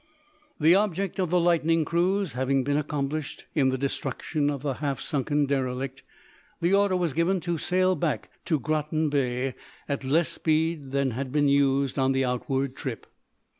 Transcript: The object of the lightning cruise having been accomplished, in the destruction of the half sunken derelict, the order was given to sail back to Groton Bay at less speed than had been used on the outward trip.